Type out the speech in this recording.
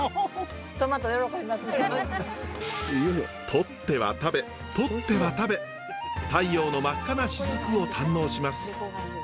とっては食べとっては食べ太陽の真っ赤なしずくを堪能します。